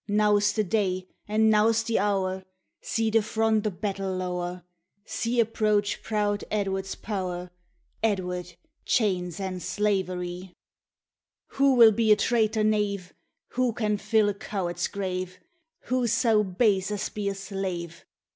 Now's the day, and now's the hour; See the front o' battle lower; See approach proud Edward's po Edward! chains and slaverie! Wha will be a traitor knave? Wha can fill a coward's grave? Wha sae base as be a slave?